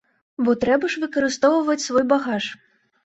Бо трэба ж выкарыстоўваць свой багаж.